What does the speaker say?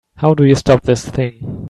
How do you stop this thing?